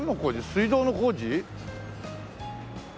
水道の工事？